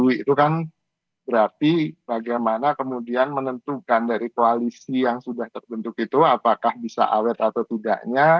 itu kan berarti bagaimana kemudian menentukan dari koalisi yang sudah terbentuk itu apakah bisa awet atau tidaknya